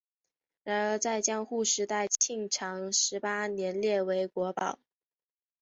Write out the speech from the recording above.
然而在江户时代庆长十八年列为国宝。